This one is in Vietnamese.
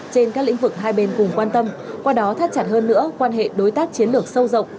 trên các lĩnh vực hai bên cùng quan tâm qua đó thắt chặt hơn nữa quan hệ đối tác chiến lược sâu rộng